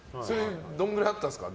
どれぐらいあったんですか。